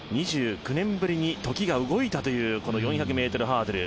２９年ぶりに時が動いたというこの４００ｍハードル。